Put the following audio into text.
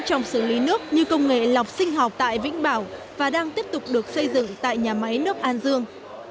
trong xử lý nước như công nghệ lọc sinh học tại vĩnh bảo và đang tiếp tục được xây dựng tại nhà máy nước an dương